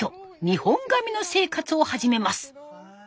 日本髪の生活を始めます。